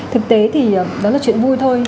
thực tế thì đó là chuyện vui thôi